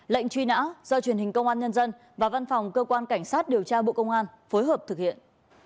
lệnh truy nã do truyền hình công an nhân dân và văn phòng cơ quan cảnh sát điều tra bộ công an phối hợp thực hiện